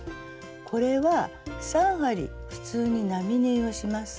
これは３針普通に並縫いをします。